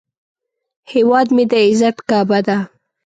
هیواد مې د عزت کعبه ده